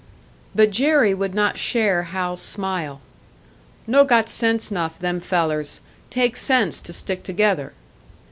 But Jerry would not share Hal's smile. "No got sense 'nough, them fellers. Take sense to stick together."